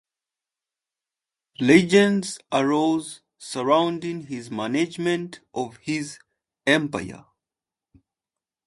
Legends arose surrounding his management of his empire.